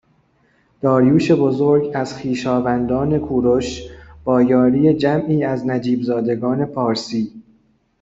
داریوش بزرگ از خویشاوندان کوروش با یاری جمعی از نجیبزادگان پارسی